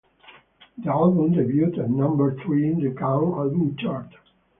The album debuted at number three in the Gaon Album Chart.